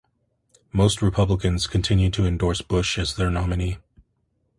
Most Republicans continued to endorse Bush as their nominee.